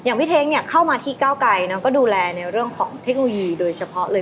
พี่เท้งเนี่ยเข้ามาที่เก้าไกรก็ดูแลในเรื่องของเทคโนโลยีโดยเฉพาะเลย